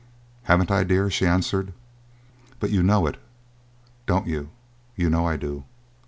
"Haven't I, dear?" she answered; "but you know it, don't you? You know I do."